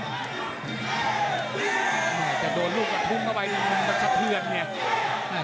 ใครจะโดนลูกหลัดทุบเข้าใบขึ้นไปสะเตือนกัน